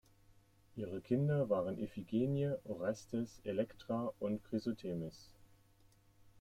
Ihre Kinder waren Iphigenie, Orestes, Elektra und Chrysothemis.